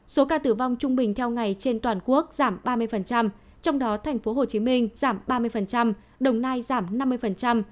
số ca tử vong trung bình theo ngày trên toàn quốc giảm ba mươi trong đó tp hcm giảm ba mươi đồng nai giảm năm mươi